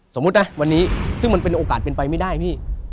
สมมุตินะวันนี้ซึ่งมันเป็นโอกาสเป็นไปไม่ได้พี่